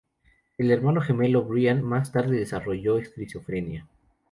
El hermano gemelo, Brian, más tarde desarrolló esquizofrenia.